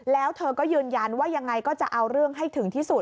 แล้วเธอก็ยืนยันว่ายังไงก็จะเอาเรื่องให้ถึงที่สุด